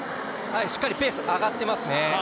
しっかりペース上がっていますね。